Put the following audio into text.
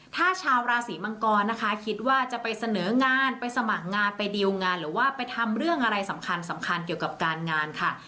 ถ้าชาวราศีมังกรนะคะคิดว่าจะไปเสนองานไปสมัครงานไปดีลงานหรือว่าไปทำเรื่องอะไรสำคัญสำคัญเกี่ยวกับการงานค่ะ